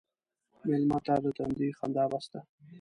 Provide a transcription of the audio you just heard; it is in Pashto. مېلمه ته د تندي خندا بس ده.